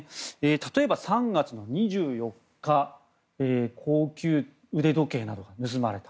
例えば、３月の２４日高級腕時計などが盗まれた。